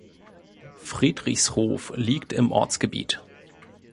Friedrichshof liegt im Ortsgebiet.